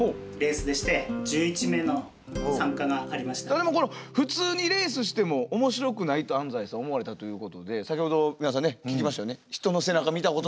でもこれ普通にレースしても面白くないと安斎さん思われたということで先ほど皆さんね聞きましたよね。